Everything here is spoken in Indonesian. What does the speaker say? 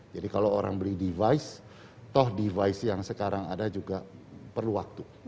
jadi kalau orang beri device toh device yang sekarang ada juga perlu waktu